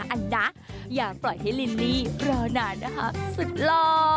อันนะอย่าปล่อยให้ลิลลี่รอนานนะคะสุดหล่อ